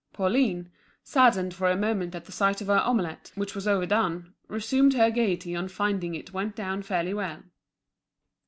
Pauline, saddened for a moment at the sight of her omelet, which was overdone, resumed her gaiety on finding it went down fairly well.